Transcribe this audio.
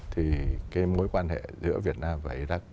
thì cái mối quan hệ giữa việt nam và iraq